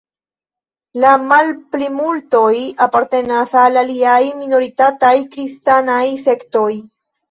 La malplimultoj apartenas al aliaj minoritataj kristanaj sektoj.